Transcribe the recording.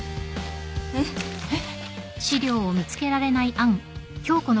えっ？えっ？